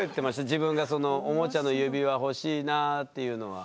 自分が「おもちゃの指輪欲しいなぁ」っていうのは。